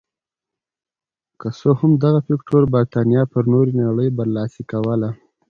که څه هم دغه فکټور برېتانیا پر نورې نړۍ برلاسې کوله.